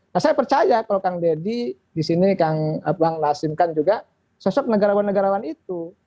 nah saya percaya kalau kang deddy di sini kang bang nasim kan juga sosok negarawan negarawan itu